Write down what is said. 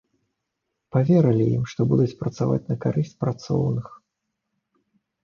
Паверылі ім, што будуць працаваць на карысць працоўных.